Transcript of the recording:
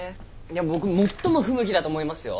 僕最も不向きだと思いますよ。